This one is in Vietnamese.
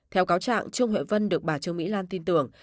theo cáo trạng trương huệ vân được bà trương mỹ lan tin tưởng